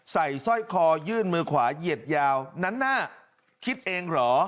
สร้อยคอยื่นมือขวาเหยียดยาวนั้นน่าคิดเองเหรอ